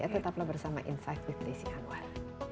tetaplah bersama insight with desi anwar